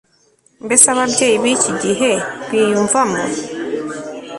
Mbese ababyeyi biki gihe biyumvamo